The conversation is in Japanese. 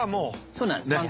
そうなんです満点。